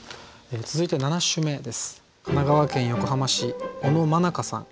続いて７首目です。